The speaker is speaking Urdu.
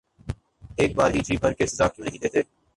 اک بار ہی جی بھر کے سزا کیوں نہیں دیتے